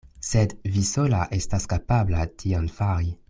Sed vi sola estas kapabla tion fari.